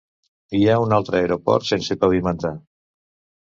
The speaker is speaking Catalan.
Hi ha un altre aeroport sense pavimentar.